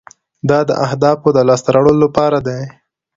دا د اهدافو د لاسته راوړلو لپاره دی.